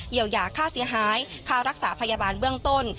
เยียวยาค่าเสียหายค่ารักษาพยาบาลเบื้องต้น